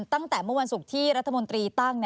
ตั้งแต่เมื่อวันศุกร์ที่รัฐมนตรีตั้ง